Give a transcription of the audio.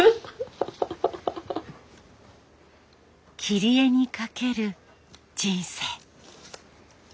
切り絵にかける人生。